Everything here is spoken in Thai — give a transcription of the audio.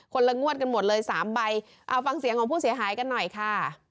ละงวดกันหมดเลยสามใบเอาฟังเสียงของผู้เสียหายกันหน่อยค่ะ